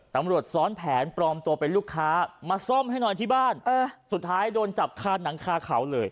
ตำรวจซ้อนแผนปลอมตัวเป็นลูกค้ามาซ่อมให้นอนที่บ้านสุดท้ายโดนจับคาหนังคาเขาเลย